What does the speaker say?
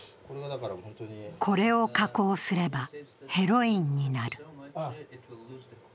これを加工すればヘロインになる。